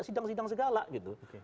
sidang sidang segala gitu